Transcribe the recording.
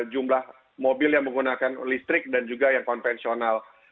jumlah mobil yang menggunakan listrik dan juga yang konvensional